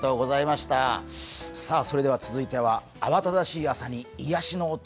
それでは続いては慌ただしい朝に癒やしの音。